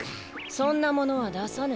そんなものはださぬ。